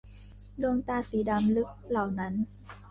ดวงตาสีดำลึกเหล่านั้น !